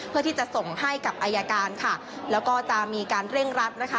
เพื่อที่จะส่งให้กับอายการค่ะแล้วก็จะมีการเร่งรัดนะคะ